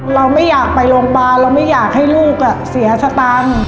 เราไม่อยากไปโรงพยาบาลเราไม่อยากให้ลูกเสียสตังค์